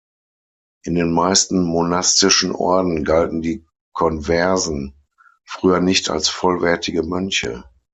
In den meisten monastischen Orden galten die Konversen früher nicht als vollwertige Mönche.